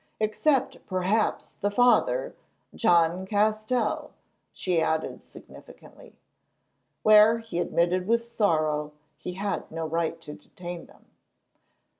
Except, perhaps, the father, John Castell," she added significantly. Where, he admitted with sorrow, he had no right to detain them.